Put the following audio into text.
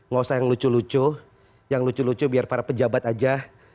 gak usah yang lucu lucu yang lucu lucu biar para pejabat aja